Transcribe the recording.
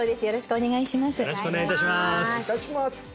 よろしくお願いします